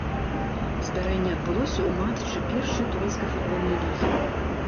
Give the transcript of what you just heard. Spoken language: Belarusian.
Здарэнне адбылося ў матчы першай турэцкай футбольнай лігі.